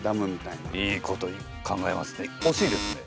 いいこと考えますね。